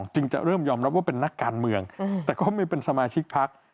จึงจะเริ่มยอมรับว่าเป็นนักการเมืองแต่ก็ไม่เป็นสมาชิกพัก